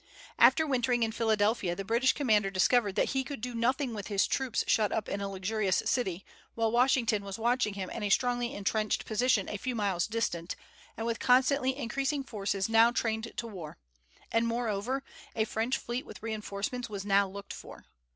After wintering in Philadelphia, the British commander discovered that he could do nothing with his troops shut up in a luxurious city, while Washington was watching him in a strongly intrenched position a few miles distant, and with constantly increasing forces now trained to war; and moreover, a French fleet with reinforcements was now looked for.